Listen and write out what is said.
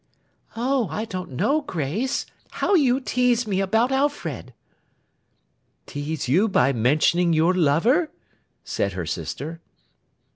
'Oh, I don't know, Grace. How you tease me about Alfred.' 'Tease you by mentioning your lover?' said her sister.